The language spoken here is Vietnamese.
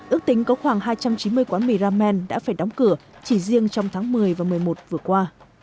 ước tính có khoảng hai trăm chín mươi quán mì ramen đã phải đóng cửa chỉ riêng trong tháng một mươi và một mươi một vừa qua